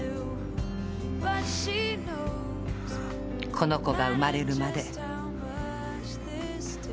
この子が生まれるまで。